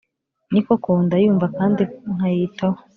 Ni koko ndayumva kandi nkayitaho,